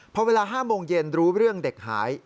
พอเวลา๕โมงเย็นรู้เรื่องเด็กหาย